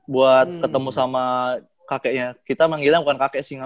buat ketemu sama kakeknya kita manggilan bukan kakek sih